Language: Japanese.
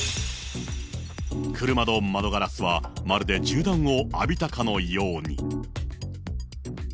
車の窓ガラスはまるで銃弾を浴びたかのように。